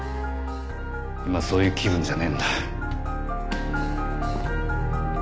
今そういう気分じゃねえんだ。